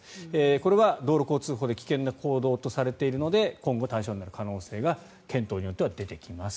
これは道路交通法で危険な行動とされているので今後、対象になる可能性が検討によっては出てきます。